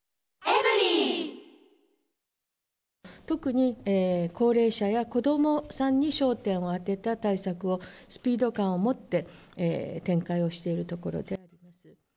特に高齢者や子どもさんに焦点を当てた対策をスピード感を持って展開をしているところで。